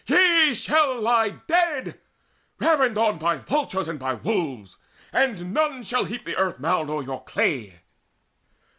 Ye shall lie Dead, ravined on by vultures and by wolves, And none shall heap the earth mound o'er your clay.